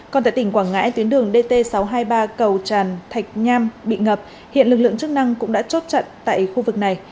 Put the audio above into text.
còn tại tỉnh quảng ngãi tuyến đường dt sáu trăm hai mươi ba cầu tràn thạch nham bị ngập hiện lực lượng chức năng cũng đã chốt chặn tại khu vực này